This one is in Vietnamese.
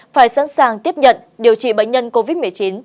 phải sẵn sàng tiếp nhận điều trị bệnh nhân covid một mươi chín